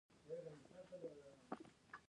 درې پنځوسم سوال د تفتیش په اړه دی.